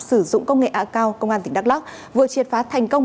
sử dụng công nghệ a cao công an tỉnh đắk lắc vừa triệt phá thành công